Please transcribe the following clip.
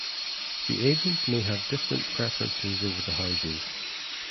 The agents may have different preferences over the houses.